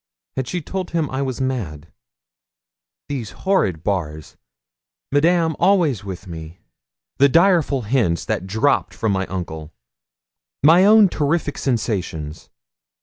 Had she told him I was mad? These horrid bars! Madame always with me! The direful hints that dropt from my uncle! My own terrific sensations!